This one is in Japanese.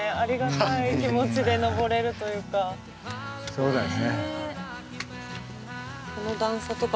そうだよね。